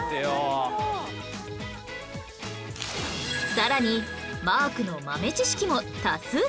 さらにマークの豆知識も多数掲載